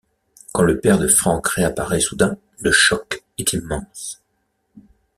Quand le père de Frank réapparaît soudain, le choc est immense.